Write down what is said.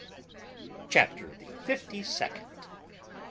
CHAPTER THE FIFTY SECOND.